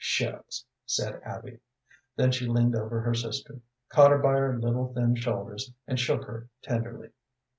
"Shucks!" said Abby. Then she leaned over her sister, caught her by her little, thin shoulders and shook her tenderly.